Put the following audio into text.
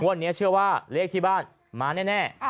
วันนี้เชื่อว่าเลขที่บ้านมาแน่